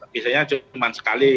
biasanya cuma sekali